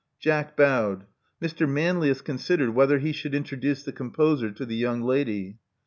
Jack bowed. Mr. Manlius considered whether he should introduce the composer to the young lady.